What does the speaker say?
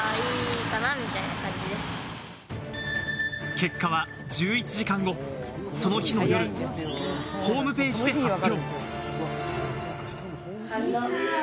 結果は１１時間後、その日の夜、ホームページで発表。